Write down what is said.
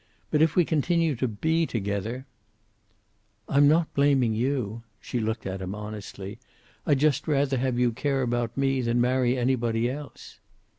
But, if we continue to be together " "I'm not blaming you." She looked at him honestly. "I'd just rather have you care about me than marry anybody else."